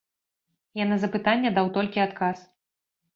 Я на запытанне даў толькі адказ.